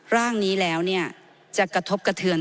ร่างนี้แล้วจะกระทบกระเทือน